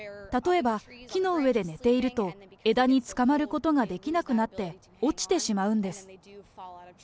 例えば木の上で寝ていると、枝につかまることができなくなって、落ちてしまうんです。